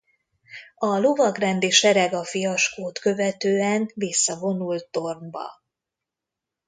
A lovagrendi sereg a fiaskót követően visszavonult Thornba.